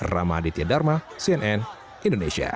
ramaditya dharma cnn indonesia